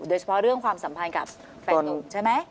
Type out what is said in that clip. โดยเฉพาะเรื่องความสัมพันธ์กับแฟนนุ่มใช่ไหม